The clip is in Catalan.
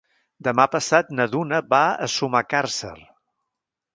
Demà passat na Duna va a Sumacàrcer.